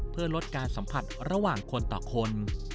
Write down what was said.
เพื่อลดการสัมผัสระหว่างคนต่อคน